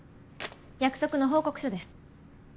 約束の報告書です。